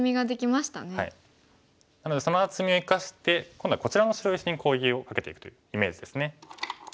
なのでその厚みを生かして今度はこちらの白石に攻撃をかけていくというイメージですね。